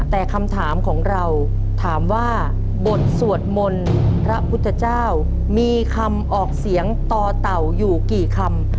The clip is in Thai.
แต่คำถามของเราถามว่าบทสวดมนต์พระพุทธเจ้ามีคำออกเสียงต่อเต่าอยู่กี่คำ